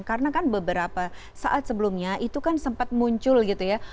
karena kan beberapa saat sebelumnya itu kan sempat muncul gitu ya